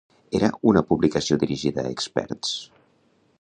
Era una publicació dirigida a experts?